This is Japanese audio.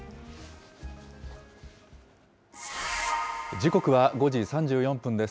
時刻は５時３４分です。